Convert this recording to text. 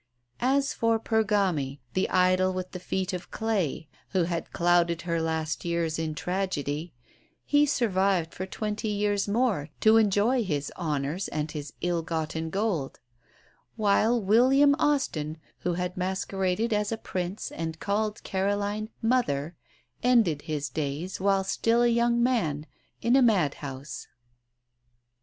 As for Pergami, the idol with the feet of clay, who had clouded her last years in tragedy, he survived for twenty years more to enjoy his honours and his ill gotten gold; while William Austin, who had masqueraded as a Prince and called Caroline "mother," ended his days, while still a young man, in a madhouse.